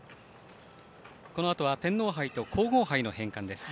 このあとは天皇杯と皇后杯の返還です。